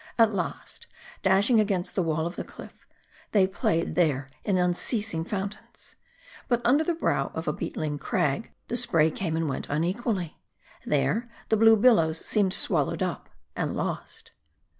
At last, dashing against the wall of the cliff, they played there in unceasing fpuntains. But under the brow of a beetling crag, the spray came and went unequally. There, the blue billows seemed swallowed up, and lost.